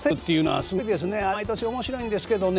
あれ毎年面白いんですけどね